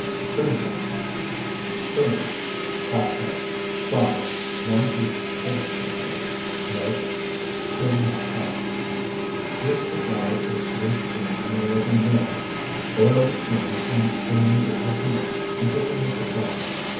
CREAM SAUCE Cream, ½ cup. Flour, 1 heaped tablespoonful. Milk, 2½ cups. Mix the flour to a smooth cream in a little milk, boil the cream and remainder of the milk, and thicken with the flour.